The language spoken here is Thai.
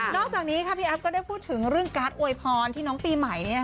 อกจากนี้ค่ะพี่แอฟก็ได้พูดถึงเรื่องการ์ดอวยพรที่น้องปีใหม่